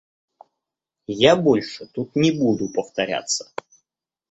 Я больше тут не буду повторяться.